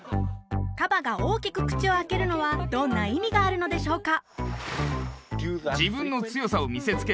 カバが大きく口を開けるのはどんな意味があるのでしょうか？